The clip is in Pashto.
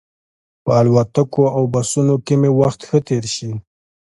په الوتکو او بسونو کې مې وخت ښه تېر شي.